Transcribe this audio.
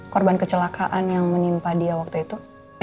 korban kecelakaan yang menimpa dia waktu itu